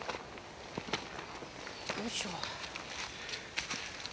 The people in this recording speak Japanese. よいしょ。